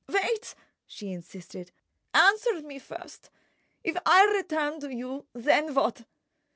"Wait!" she insisted. "Answer me first: If I return to you—then what?"